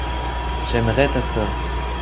j'aimerais ta sœur.